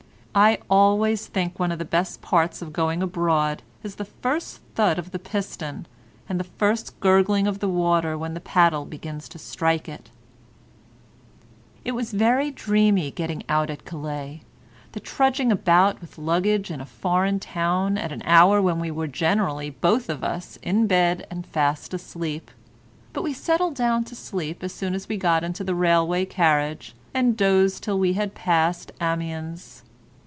"I always think one of the best parts of going abroad is the first thud of the piston, and the first gurgling of the water when the paddle begins to strike it." It was very dreamy getting out at Calais, and trudging about with luggage in a foreign town at an hour when we were generally both of us in bed and fast asleep, but we settled down to sleep as soon as we got into the railway carriage, and dozed till we had passed Amiens.